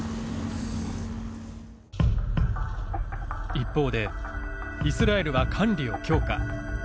一方でイスラエルは管理を強化。